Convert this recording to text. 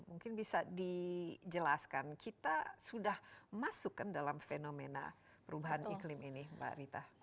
mungkin bisa dijelaskan kita sudah masukkan dalam fenomena perubahan iklim ini mbak rita